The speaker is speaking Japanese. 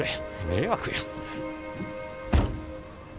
迷惑や。